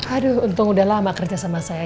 aduh untung udah lama kerja sama saya